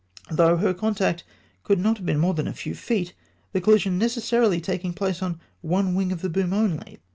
— though her contact could not have been more than a few feet, the coUision necessarily taking place on one wing of the boom only.